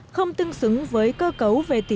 không tương xứng với cơ cấu về tỷ lệ phương tiện